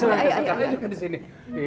silakan di sini